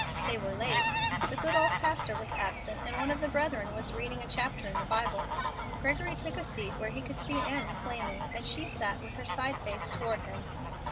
They were late. The good old pastor was absent, and one of the brethren was reading a chapter in the Bible. Gregory took a seat where he could see Annie plainly, and she sat with her side face toward him.